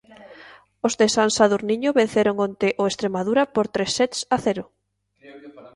Os de San Sadurniño venceron onte o Estremadura por tres sets a cero.